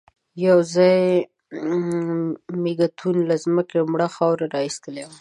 يوځای مېږتنو له ځمکې مړه خاوره را ايستلې وه.